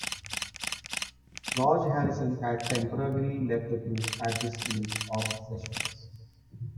George Harrison had temporarily left the group at this stage of the sessions.